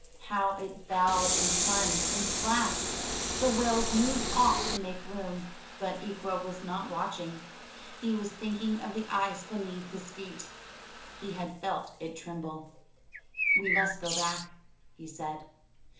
How it bowed, and plunged, and splashed ! The whales moved off to make room. But Ikwa was not watching. He was thinking of the ice beneath his feet. He had felt it tremble. ''We must go back,'* he said.